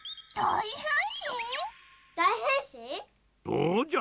そうじゃ！